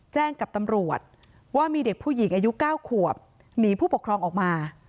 แจ้งกับตำรวจว่ามีเด็กผู้หญิงอายุ๙ขวบหนีผู้ปกครองออกมา